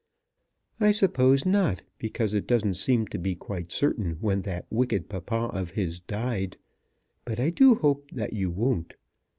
I suppose not, because it doesn't seem to be quite certain when that wicked papa of his died; but I do hope that you won't.